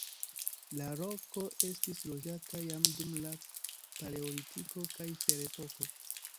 La loko estis loĝata jam dum la paleolitiko kaj ferepoko.